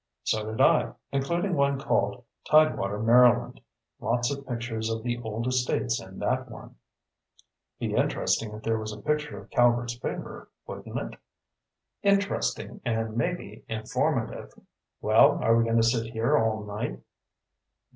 "So did I. Including one called Tidewater Maryland. Lots of pictures of the old estates in that one." "Be interesting if there was a picture of Calvert's Favor, wouldn't it?" "Interesting and maybe informative. Well, are we going to sit here all night?"